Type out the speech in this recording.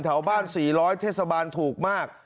แถวบ้าน๔๐๐เทศบาลถูกมาก